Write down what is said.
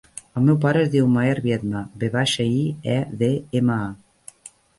El meu pare es diu Maher Viedma: ve baixa, i, e, de, ema, a.